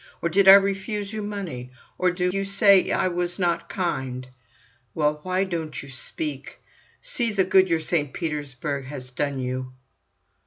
Or did I refuse you money? Or do you say I was not kind? Well, why don't you speak? See, the good your St. Petersburg has done you!"